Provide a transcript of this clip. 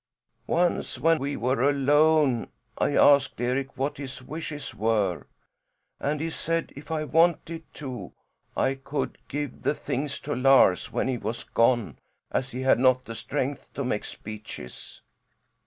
"Once, when we were alone, I asked Eric what his wishes were, and he said if I wanted to I could give the things to Lars when he was gone as he had not the strength to make speeches."